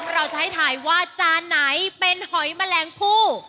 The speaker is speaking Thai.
เราจะให้ถ่ายว่าจานไหนเป็นหอยแมลงผู้